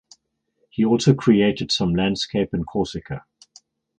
He also created some landscapes in Corsica.